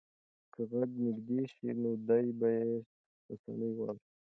که غږ نږدې شي نو دی به یې په اسانۍ واوري.